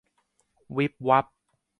วิบวับ